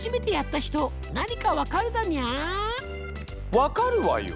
分かるわよ。